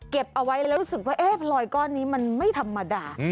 เอาไว้แล้วรู้สึกว่าเอ๊ะพลอยก้อนนี้มันไม่ธรรมดา